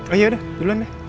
oh yaudah duluan deh